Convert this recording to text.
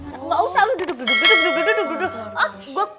gak usah lo duduk duduk duduk